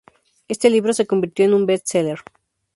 Este libro se convirtió en un best-seller.